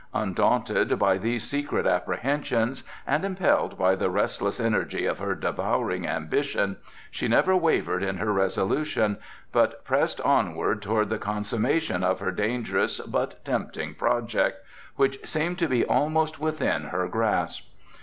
Undaunted by these secret apprehensions, and impelled by the restless energy of her devouring ambition, she never wavered in her resolution, but pressed onward toward the consummation of her dangerous but tempting project, which seemed to be almost within her grasp.